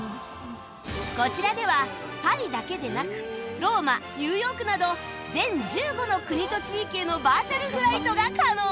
こちらではパリだけでなくローマニューヨークなど全１５の国と地域へのバーチャルフライトが可能